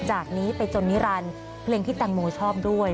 จากนี้ไปจนนิรันดิ์เพลงที่แตงโมชอบด้วย